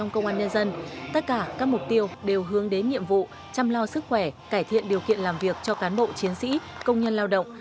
chăm lo sức khỏe cải thiện điều kiện làm việc cho cán bộ chiến sĩ công nhân lao động